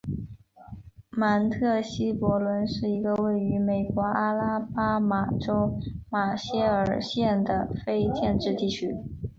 芒特希伯伦是一个位于美国阿拉巴马州马歇尔县的非建制地区。